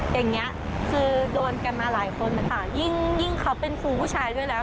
อย่างนี้คือโดนกันมาหลายคนนะคะยิ่งเขาเป็นครูผู้ชายด้วยแล้ว